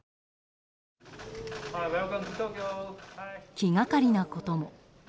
気がかりなことも。